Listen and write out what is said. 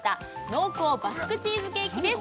濃厚バスクチーズケーキです